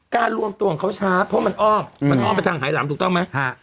รวมตัวของเขาช้าเพราะมันอ้อมมันอ้อมไปทางหายหลำถูกต้องไหม